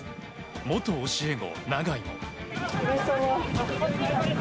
元教え子、永井も。